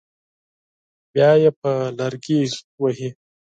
بیا یې په لرګي وهي.